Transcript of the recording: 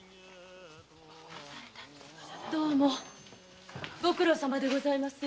どうもご苦労様でございます。